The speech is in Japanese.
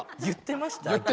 言ってました？